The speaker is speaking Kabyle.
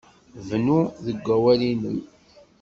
Bnu deg wakal-nnem.